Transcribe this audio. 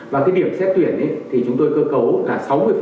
và cái điểm xét tuyển thì chúng tôi cơ cấu là sáu mươi